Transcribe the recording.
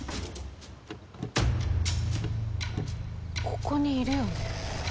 ここにいるよね。